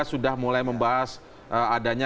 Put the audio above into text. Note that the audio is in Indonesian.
sudah mulai membahas adanya